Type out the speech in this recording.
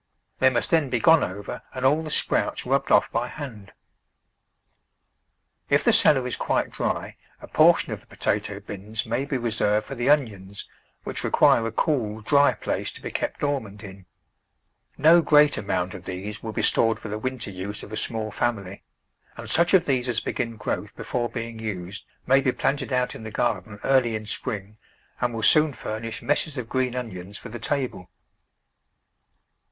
They must then be gone over and all the sprouts rubbed off by hand. If the cellar is quite dry, a portion of the potato bins may be reserved for the onions, which require a cool, dry place to be kept dormant in. No great STORING VEGETABLES IN WINTER amount of these will be stored for the winter use of a small family, and such of these as begin growth before being used may be planted out in the garden early in spring and will soon furnish messes of green onions for the table.